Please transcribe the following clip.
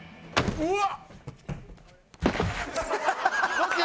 うわっ！